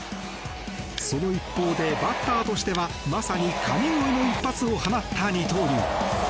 その一方でバッターとしてはまさに神超えの一発を放った二刀流。